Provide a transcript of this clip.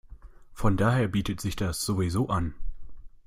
Von daher bietet sich das sowieso an.